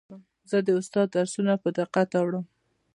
زه د استاد درسونه په دقت اورم.